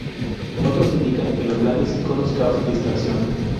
Otros indican que los grandes iconos causan distracción.